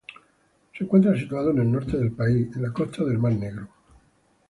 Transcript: Se encuentra situada en el norte del país, en la costa del mar Negro.